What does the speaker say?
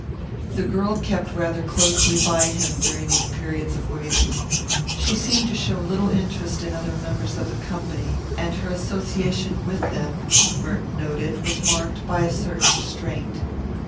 The girl kept rather closely by him during these periods of waiting. She seemed to show little interest in other members of the company, and her association with them, Merton noted, was marked by a certain restraint.